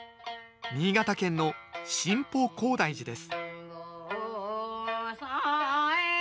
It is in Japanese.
新潟県の「新保広大寺」です